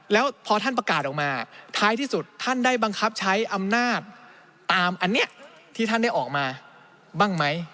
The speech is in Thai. แล้วพอท่านประกาศออกมาท้ายที่สุดท่านได้บังคับใช้อำนาจตามอันนี้ที่ท่านได้ออกมาบ้างไหม